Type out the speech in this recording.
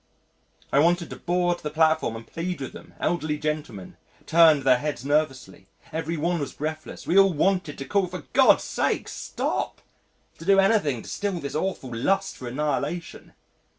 I wanted to board the platform and plead with them, elderly gentlemen turned their heads nervously, everyone was breathless, we all wanted to call "For God's sake, stop" to do anything to still this awful lust for annihilation....